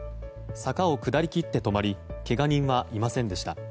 坂を下りきって止まりけが人はいませんでした。